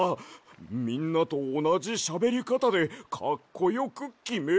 みんなとおなじしゃべりかたでかっこよくきめるで。